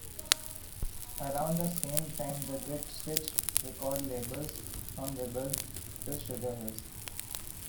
Around the same time, the group switched record labels from Rebel to Sugar Hill.